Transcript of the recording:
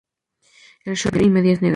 El short y medias negras.